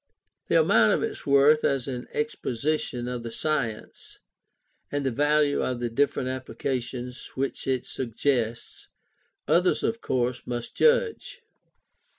The amount of its worth as an exposition of the science, and the value of the different applications which it suggests, others of course must judge.